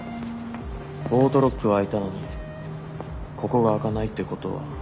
オートロックは開いたのにここが開かないってことは。